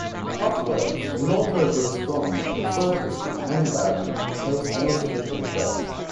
Afterwards, the Noldor grew strong, and sorties from Angband posed no significant threat.